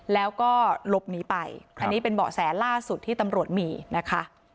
แล้วก็หลบหนีไปอันนี้เป็นเบาะแสล่าสุดที่ตำรวจมีนะคะ